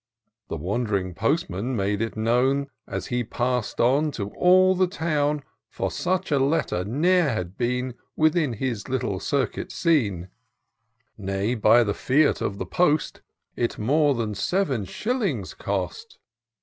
The wond'ring postman made it known, As he pass'd on, to all the town ; For such a letter ne'er had been Within his little circuit seen : Nay, by the fiat of the post. It more than seven shillings cost.